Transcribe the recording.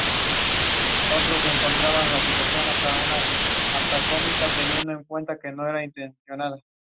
Actualmente vive en Berkeley, Estados Unidos.